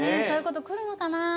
そういうことくるのかな。